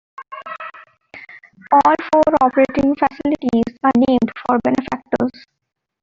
All four operating facilities are named for benefactors.